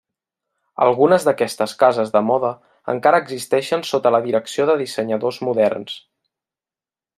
Algunes d'aquestes cases de moda encara existeixen sota la direcció de dissenyadors moderns.